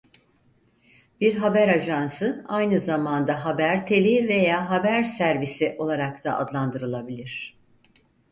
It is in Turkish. Bir haber ajansı aynı zamanda haber teli veya haber servisi olarak da adlandırılabilir.